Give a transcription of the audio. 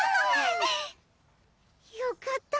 よかった